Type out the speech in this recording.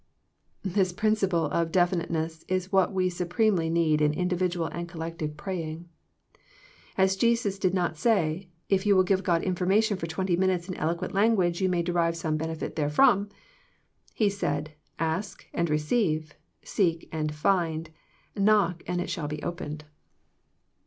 This principle of definite ness is what we supremely need in individual and collective praying. Jesus did not say, " If you will give God information for twenty minutes in elegant language you may derive some benefit therefrom." He said, " Ask, and receive ";" seek, and find "; "knock, and it shall be opened."